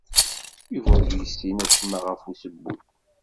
Yuba ur yessin acemma ɣef ussewwi.